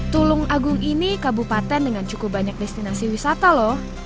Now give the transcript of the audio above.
tulung agung ini kabupaten dengan cukup banyak destinasi wisata lho